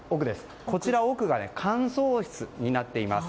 こちらが乾燥室になっています。